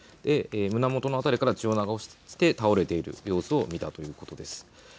胸元の辺りから血を流して倒れている様子を見たということです。